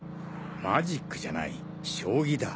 マジックじゃない将棋だ。